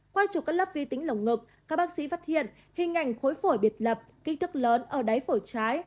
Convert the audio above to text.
qua chụp các lớp vi tính lỏng ngực các bác sĩ phát hiện hình ảnh khối phổi biệt lập kích thước lớn ở đáy phổi trái